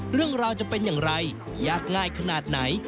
เรื่องราวจะเป็นอย่างไรยากง่ายขนาดไหน